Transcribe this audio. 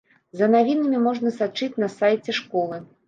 За навінамі можна сачыць на сайце школы.